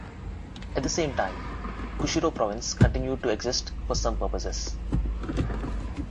At the same time, Kushiro Province continued to exist for some purposes.